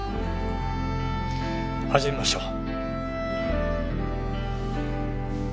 始めましょう。